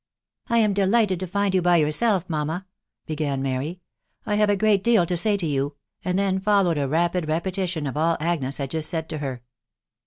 " I am delighted to find you b/ yourself, mamma," began Mary, " I have a great deal to say to you," and fhen followed a rapid repetition of all Agnes had just said to her.